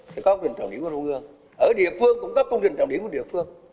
thì có công trình trọng điểm của trung ương ở địa phương cũng có công trình trọng điểm của địa phương